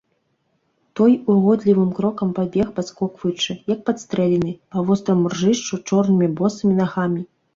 Той угодлівым крокам пабег, падскокваючы, як падстрэлены, па востраму ржышчу чорнымі босымі нагамі.